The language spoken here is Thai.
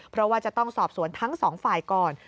เพราะว่าจะต้องสอบสวนทั้งสองฝ่ายก่อน